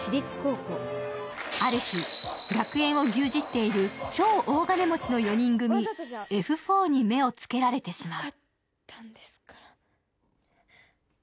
ある日、学園を牛耳っている超大金持ちの４人組、Ｆ４に目をつけられてしまう。